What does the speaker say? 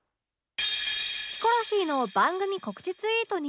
ヒコロヒーの番組告知ツイートに